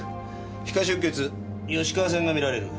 皮下出血吉川線が見られる。